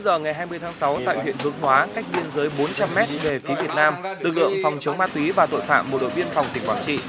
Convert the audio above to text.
vào ngày hai mươi tháng sáu tại huyện phước hóa cách biên giới bốn trăm linh m về phía việt nam lực lượng phòng chống ma túy và tội phạm một đội viên phòng tỉnh quảng trị